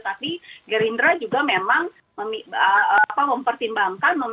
tapi gerindra juga memang mempertimbangkan